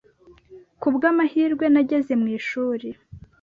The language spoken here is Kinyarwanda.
Kubwamahirwe, nageze mu ishuri.